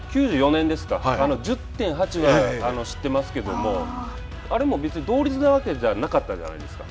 ９４年ですか１０．８は知っていますけどもあれも別に同率なわけじゃなかったわけじゃないですか。